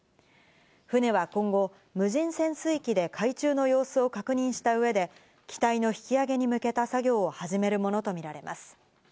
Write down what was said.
船は今後、無人潜水機で海中の様子を確認した上で、機体の引き揚げに向けた作業を始めるものとみられます。